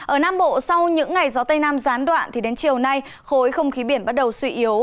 ở nam bộ sau những ngày gió tây nam gián đoạn thì đến chiều nay khối không khí biển bắt đầu suy yếu